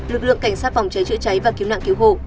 lực lượng cảnh sát phòng cháy chữa cháy và cứu nạn cứu hộ